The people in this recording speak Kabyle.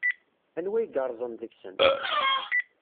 Anwa ay yerrẓen deg-sen?